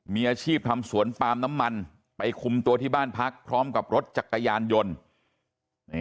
มีอาชีพทำสวนปาล์มน้ำมันไปคุมตัวที่บ้านพักพร้อมกับรถจักรยานยนต์